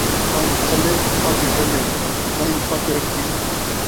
پنج کھلے پڳ جھلے، سئیں پت رکھی